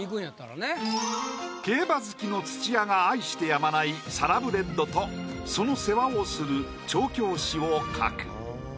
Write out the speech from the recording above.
競馬好きの土屋が愛してやまないサラブレッドとその世話をする調教師を描く。